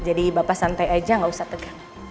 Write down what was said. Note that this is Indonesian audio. jadi bapak santai aja gak usah tegang